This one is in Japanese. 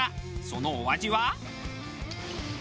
そのお味は？